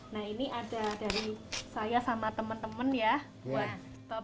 nah ini ada dari saya sama temen temen ya buat bapak ya